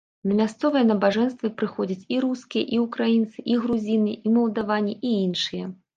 На мясцовыя набажэнствы прыходзяць і рускія, і ўкраінцы, і грузіны, і малдаване, і іншыя.